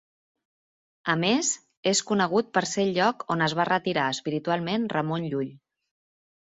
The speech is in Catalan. A més, és conegut per ser el lloc on es va retirar espiritualment Ramon Llull.